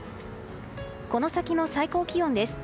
この先の最高気温です。